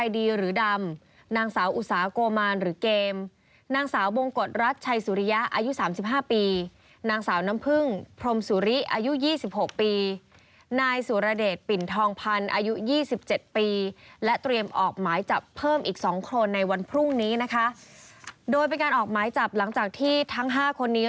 โดยเป็นการออกหมายจับหลังจากที่ทั้ง๕คนนี้